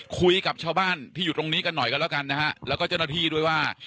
คุยกับชาวบ้านที่อยู่ตรงนี้กันหน่อยกันแล้วกันนะฮะแล้วก็เจ้าหน้าที่ด้วยว่า